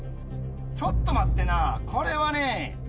ちょっと待ってなこれはね